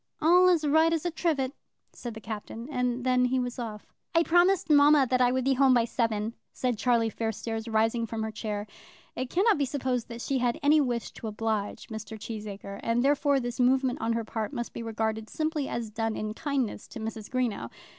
"All as right as a trivet," said the Captain; and then he was off. "I promised mamma that I would be home by seven," said Charlie Fairstairs, rising from her chair. It cannot be supposed that she had any wish to oblige Mr. Cheesacre, and therefore this movement on her part must be regarded simply as done in kindness to Mrs. Greenow.